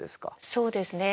そうですね。